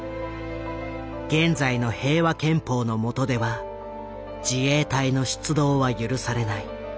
現在の平和憲法の下では自衛隊の出動は許されない。